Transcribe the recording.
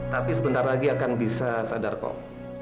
tapi sebentar lagi akan bisa sadar kok